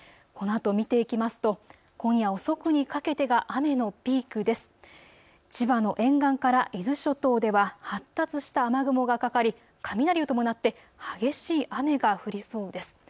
このあと見ていきますと今夜遅くにかけてが雨のピークです。千葉の沿岸から伊豆諸島では発達した雨雲がかかり雷を伴って激しい雨が降りそうです。